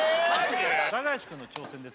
高橋くんの挑戦です